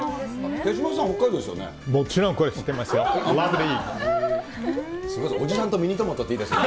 手嶋さん、北海道ですよね？